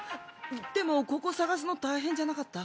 でもここ探すの大変じゃなかった？